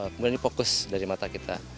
kemudian ini fokus dari mata kita